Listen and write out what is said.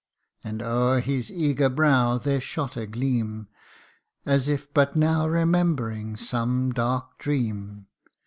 And o'er his eager brow there shot a gleam, As if but now remembering some dark dream.